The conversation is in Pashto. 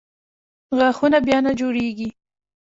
غاښونه بیا نه جوړېږي.